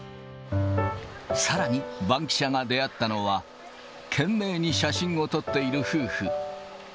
さらに、バンキシャが出会ったのは、懸命に写真を撮っている夫婦。